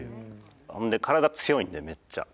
ほんで体強いんでめっちゃ。